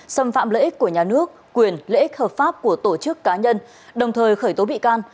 xâm phạm lợi ích của nhà nước quyền lợi ích hợp pháp của tổ chức cá nhân đồng thời khởi tố bị can